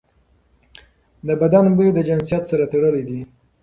د بدن بوی د جنسیت سره تړلی دی.